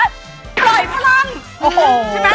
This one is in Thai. ใช่ปะ